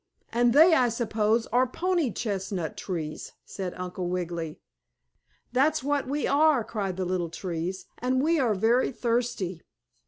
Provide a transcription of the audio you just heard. "And they, I suppose, are pony chestnut trees," said Uncle Wiggily. "That's what we are!" cried the little trees, "and we are very thirsty."